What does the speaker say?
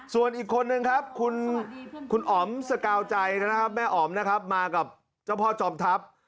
ส่วนอีกคนนึงครับคุณอ๋อมสกาวใจนะครับแม่อ๋อมนะครับมากับเจ้าพ่อจอมทัพ